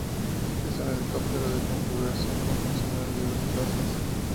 Es un helicóptero de configuración convencional de dos plazas.